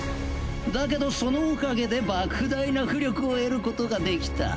だけどそのおかげで莫大な巫力を得ることができた。